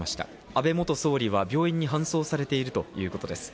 安倍元総理は病院に搬送されているということです。